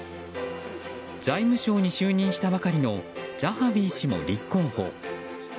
財務相に就任したばかりのザハウィ氏も立候補。